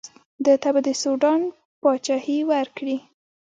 ده ته به د سوډان پاچهي ورکړي.